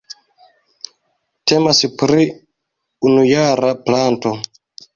Temas pri unujara planto.